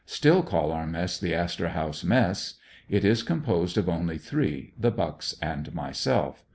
Still call our mess the ''Astor House Mess " It is composed of only three — the Bucks and myself.